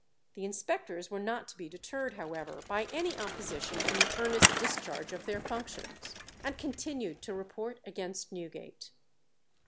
The inspectors were not to be deterred, however, by any opposition from the earnest discharge of their functions, and continued to report against Newgate.